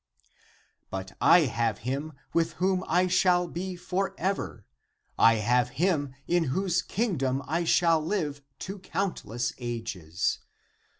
But I have him with whom I shall be for ever; I have him in whose Kingdom I shall live to countless ages.